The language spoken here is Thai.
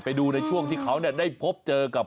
ไปดูในช่วงที่เขาได้พบเจอกับ